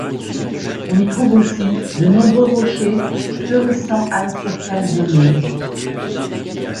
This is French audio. On y trouve aussi de nombreux rochers fleurissant à la surface de l'eau.